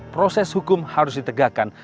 proses hukum harus ditegakkan